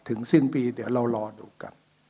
สิ้นปีเดี๋ยวเรารอดูกัน